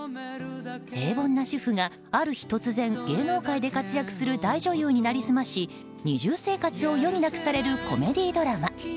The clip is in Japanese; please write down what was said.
平凡な主婦がある日突然芸能界で活躍する大女優に成り済まし二重生活を余儀なくされるコメディードラマ。